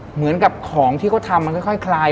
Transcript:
เหมือนกับของที่เขาทำมันค่อยคลาย